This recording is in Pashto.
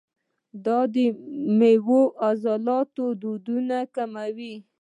دا میوه د عضلاتو دردونه کموي.